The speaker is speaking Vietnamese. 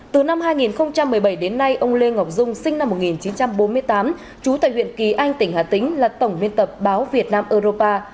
từ năm hai nghìn một mươi bảy đến nay ông lê ngọc dung sinh năm một nghìn chín trăm bốn mươi tám trú tại huyện kỳ anh tỉnh hà tĩnh là tổng biên tập báo việt nam europa